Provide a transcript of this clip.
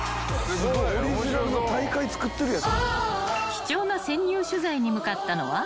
［貴重な潜入取材に向かったのは］